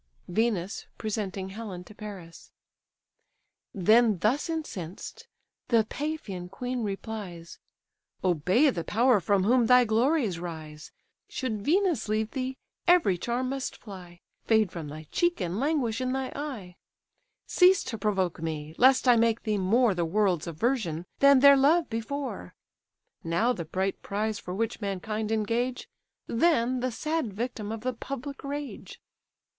VENUS PRESENTING HELEN TO PARIS Then thus incensed, the Paphian queen replies: "Obey the power from whom thy glories rise: Should Venus leave thee, every charm must fly, Fade from thy cheek, and languish in thy eye. Cease to provoke me, lest I make thee more The world's aversion, than their love before; Now the bright prize for which mankind engage, Than, the sad victim, of the public rage."